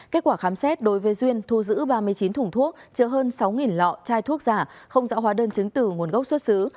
kết quả khám xét đối với duyên thu giữ ba mươi chín thùng thuốc chứa hơn sáu lọ chai thuốc giả không dạo hóa đơn chứng từ nguồn gốc xuất xứ